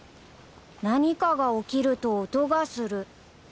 何かが起きると音がする